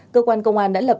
cơ quan công an đã lập tập